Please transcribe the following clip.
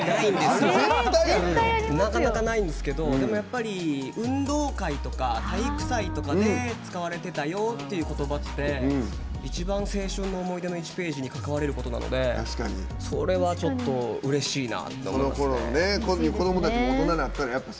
なかなかないんですけどでも、やっぱり運動会とか体育祭とかで使われたよって言葉って一番、青春の思い出の１ページに関われることなのでそれはうれしいなって思います。